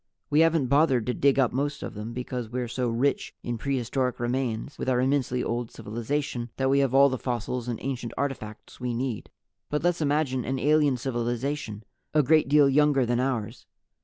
We haven't bothered to dig up most of them because we're so rich in prehistoric remains, with our immensely old civilization, that we have all the fossils and ancient artifacts we need. "But let's imagine an alien civilization a great deal younger than ours.